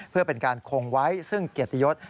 เพื่อเป็นการคงไว้ซึ่งเกียรติยศ